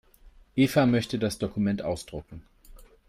Eva möchte das Dokument ausdrucken.